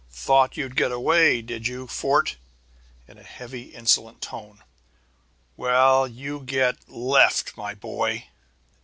"Thought you'd get away, did you, Fort?" in heavy, insolent tones. "Well, you get left, my boy!"